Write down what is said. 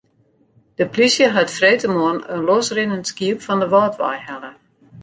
De polysje hat freedtemoarn in losrinnend skiep fan de Wâldwei helle.